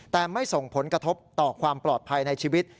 แต่ไม่ส่งผลกระทบต่อความปลอดภัยในชีวิต